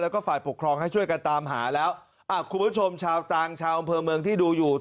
แล้วก็ฝ่ายปกครองให้ช่วยกันตามหาแล้วคุณผู้ชมชาวต่างชาวอำเภอเมืองที่ดูอยู่